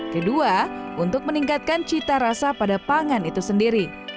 kedua untuk meningkatkan cita rasa pada pangan itu sendiri